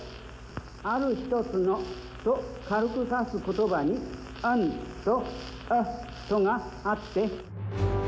『ある一つの』を軽く指す言葉にａｎとａとがあって」。